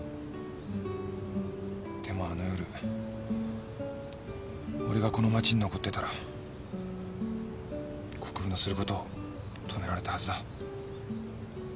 でもあの夜俺がこの町に残ってたら国府のすることを止められたはずだ。